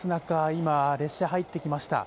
今、列車が入ってきました。